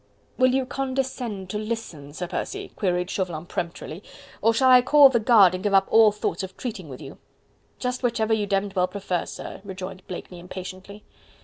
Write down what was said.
"Will you condescend to listen, Sir Percy?" queried Chauvelin peremptorily, "or shall I call the guard and give up all thoughts of treating with you?" "Just whichever you demmed well prefer, sir," rejoined Blakeney impatiently.